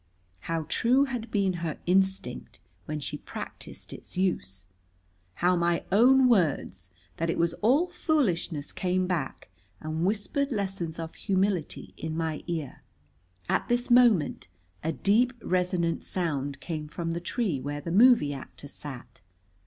How true had been her instinct when she practiced its use! How my own words, that it was all foolishness, came back and whispered lessons of humility in my ear! At this moment a deep, resonant sound came from the tree where the movie actor sat.